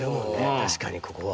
確かにここは。